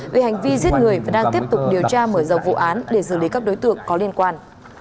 về hành vi giết người và đang tiếp tục điều tra mở rộng vụ án để xử lý các đối tượng có liên quan